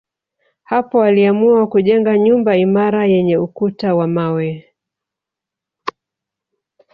Hapo aliamua kujenga nyumba imara yenye ukuta wa mawe